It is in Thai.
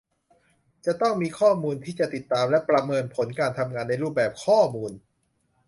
จะต้องมีข้อมูลที่จะติดตามและประเมินผลการทำงาน ในรูปแบบข้อมูล